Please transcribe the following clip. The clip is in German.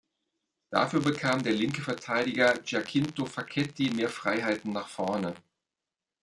Dafür bekam der linke Verteidiger Giacinto Facchetti mehr Freiheiten nach vorne.